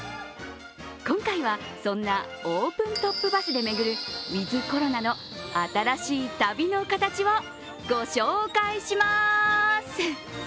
今回はそんなオープントップバスで巡るウィズ・コロナの新しい旅の形をご紹介します。